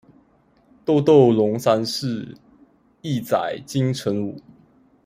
豆豆龍山寺，億載金城武